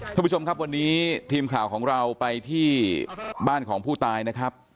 ท่านผู้ชมครับวันนี้ทีมข่าวของเราไปที่บ้านของผู้ตายนะครับ